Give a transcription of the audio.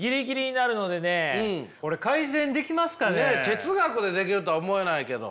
哲学でできるとは思えないけど。